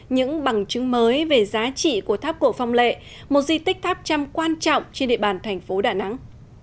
những bằng chứng mới về giá trị của tháp cổ phong lệ một di tích tháp chăm quan trọng trên địa bàn thành phố đà nẵng